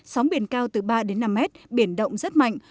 sóng biển cao từ ba đến năm mét biển động rất mạnh